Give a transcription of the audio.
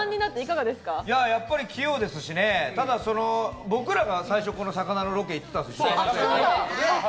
やっぱり器用ですし、僕らがこの魚のロケ、最初行ってたんですよ。